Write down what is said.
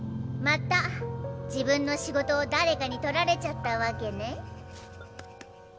また自分の仕事を誰かに取られちゃったわけね。